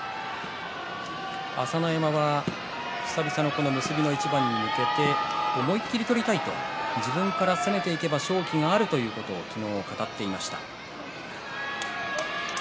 朝乃山は久々のこの結びの一番に向けて思い切って取りたい自分から攻めていけば勝機があるということを昨日、語っていました。